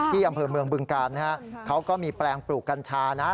ที่อำเภอเมืองบึงกาลนะฮะเขาก็มีแปลงปลูกกัญชานะ